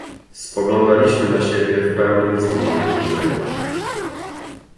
"Spoglądaliśmy na siebie w pełnem zdumienia milczeniu."